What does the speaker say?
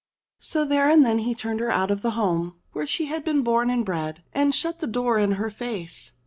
So there and then he turned her out of the home where she had been born and bred, and shut the door in her face.